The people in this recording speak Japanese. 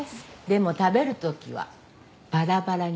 でも食べる時はバラバラにね。